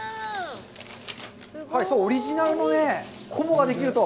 オリジナルのね、菰ができると。